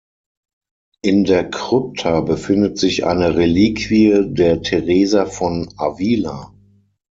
In der Krypta befindet sich eine Reliquie der Teresa von Avila.